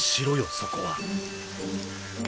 そこは。